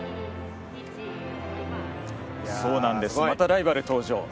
またライバル登場。